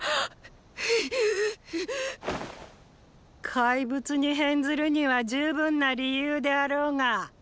怪物に変ずるには十分な理由であろうが。！